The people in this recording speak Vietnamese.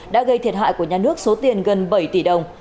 đã gây thiệt hại của nhà nước số tiền gần bảy tỷ đồng